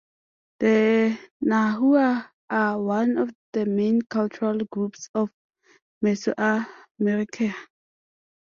The Nahua are one of the main cultural groups of Mesoamerica.